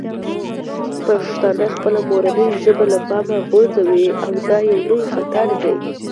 پښتانه خپله مورنۍ ژبه له پامه غورځوي او دا یو لوی خطر دی.